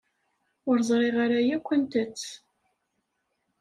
Ur ẓriɣ ara yakk anta-tt.